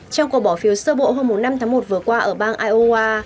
trong cuộc bỏ phiếu sơ bộ hôm năm tháng một vừa qua ở bang iowa